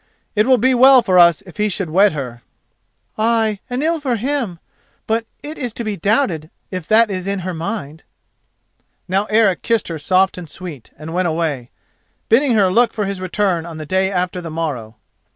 "It will be well for us if he should wed her." "Ay, and ill for him; but it is to be doubted if that is in her mind." Now Eric kissed her soft and sweet, and went away, bidding her look for his return on the day after the morrow.